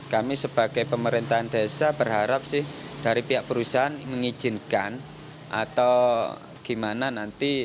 kami sebagai pemerintahan desa berharap sih dari pihak perusahaan mengizinkan atau gimana nanti